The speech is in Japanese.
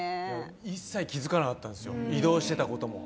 一切気づかなかったんですよ、移動してたことも。